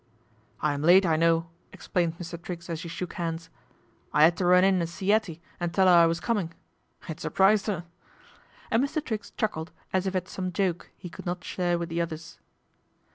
"I'm late, I know," explained Mr. Triggs as he shook hands. " I 'ad to run in and see 'Ettie and tell 'er I was coming. It surprised 'er," and Mr. Triggs chuckled as if at some joke he could not share with the others.